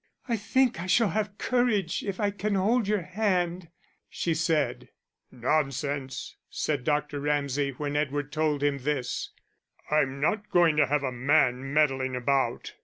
"I think I shall have courage if I can hold your hand," she said. "Nonsense," said Dr. Ramsay, when Edward told him this, "I'm not going to have a man meddling about."